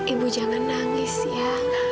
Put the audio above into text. ibu jangan nangis ya